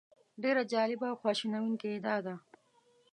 ډېره جالبه او خواشینونکې یې دا ده.